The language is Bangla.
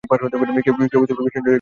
কেউ ভীষণ জোরে গেটটা ঠেলছিল!